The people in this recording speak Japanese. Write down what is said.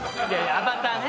アバターですね。